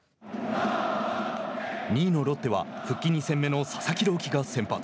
２位のロッテは復帰２戦目の佐々木朗希が先発。